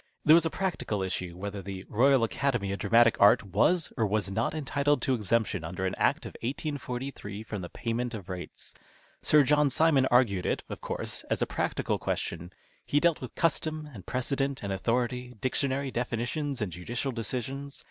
There was a practical issue, whether the Royal Academy of Dramatic Art was or was not entitled to exemption under an Act of 1843 from the payment of rates. Sir John Simon argued it, of course, as a practical question. He dealt with custom and precedent and authority, dictionary definitions and judicial decisions.